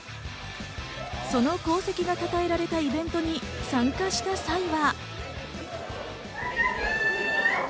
その功績がたたえられたイベントに参加した際は。